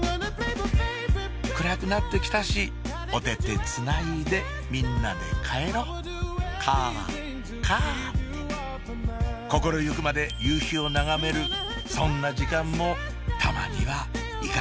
暗くなってきたしお手手つないでみんなで帰ろカァカァ心ゆくまで夕日を眺めるそんな時間もたまにはいかがですか？